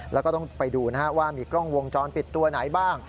แล้วก็ต้องไปดูว่ามีกล้องวงจรปิดตัวไหนบ้าง